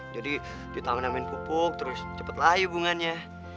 jadi ditangani nanggin pupuk terus cepet lah hubungannya